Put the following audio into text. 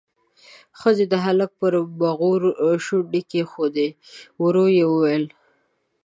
ښځې د هلک پر بغور شونډې کېښودې، ورو يې وويل: